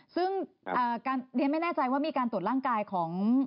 ซึ่งเรียนไม่แน่ใจว่ามีการตรวจร่างกายของ